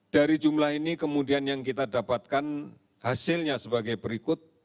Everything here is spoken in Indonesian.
dari jumlah ini kemudian yang kita dapatkan hasilnya sebagai berikut